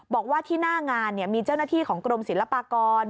บอกว่าที่หน้างานมีเจ้าหน้าที่ของกรมศิลปากร